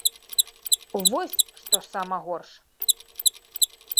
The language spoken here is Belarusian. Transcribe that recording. Вось што сама горш!